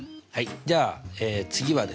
じゃあ次はですね